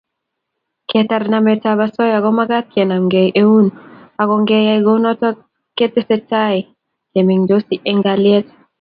Ketar nametab osoya ko magat kenamkei eun ago ngeyai kounoto ketesetai kemengtosi eng kalyet